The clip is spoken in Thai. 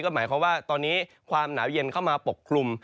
หมายความว่าตอนนี้ความหนาวเย็นเข้ามาปกคลุม